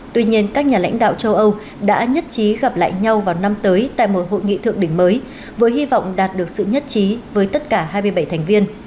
tuy nhiên các nhà lãnh đạo châu âu đã nhất trí gặp lại nhau vào năm tới tại một hội nghị thượng đỉnh mới với hy vọng đạt được sự nhất trí với tất cả hai mươi bảy thành viên